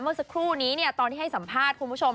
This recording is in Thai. เมื่อสักครู่นี้ตอนที่ให้สัมภาษณ์คุณผู้ชม